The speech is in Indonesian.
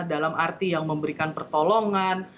dalam arti yang memberikan pertolongan